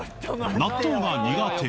納豆が苦手